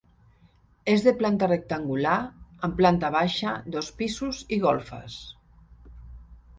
És de planta rectangular, amb planta baixa, dos pisos i golfes.